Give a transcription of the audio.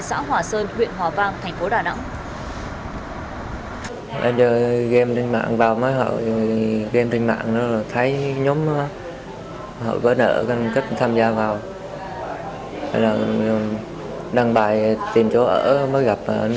xã hòa sơn huyện hòa vang thành phố đà nẵng